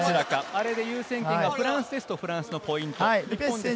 優先権がフランスですと、フランスのポイント。